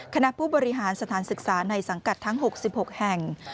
คณะผู้บริหารสถานศึกษาในสังกัดทั้ง๖๖แห่ง